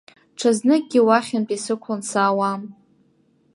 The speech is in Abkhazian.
Ҽазныкгьы уахьынтәи сықәлан саауам.